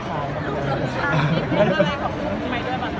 มีโครงการทุกทีใช่ไหม